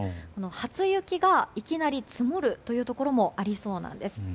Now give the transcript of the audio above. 初雪がいきなり積もるところもありそうなんです。